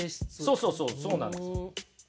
そうそうそうそうなんです。